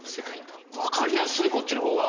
わかりやすいこっちのほうが。